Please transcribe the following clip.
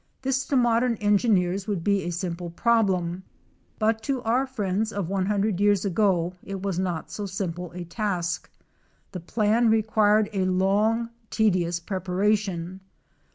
This to modern engineers would be a simple problem, but to our friends of 100 years ago, it was not so simple a task. The plan required a long, tedious preparation.